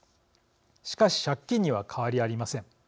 しかし借金には変わりありません。